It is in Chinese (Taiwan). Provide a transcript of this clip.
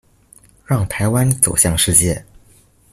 讓臺灣走向世界